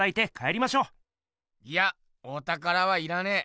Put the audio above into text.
いやおたからはいらねえ。